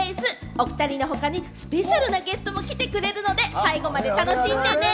お２人の他にスペシャルなゲストも来てくれているので、最後まで楽しんでね。